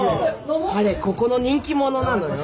彼ここの人気者なのよ。